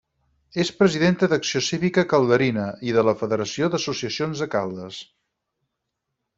És presidenta d’Acció Cívica Calderina i de la Federació d'Associacions de Caldes.